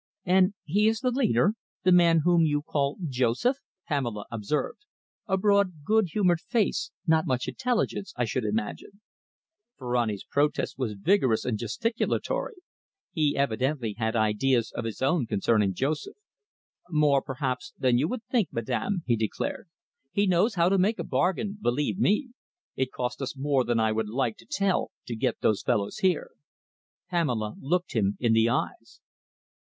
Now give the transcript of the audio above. "And he is the leader the man whom you call Joseph," Pamela observed. "A broad, good humoured face not much intelligence, I should imagine." Ferrani's protest was vigorous and gesticulatory. He evidently had ideas of his own concerning Joseph. "More, perhaps, than you would think, madam," he declared. "He knows how to make a bargain, believe me. It cost us more than I would like to tell you to get these fellows here." Pamela looked him in the eyes.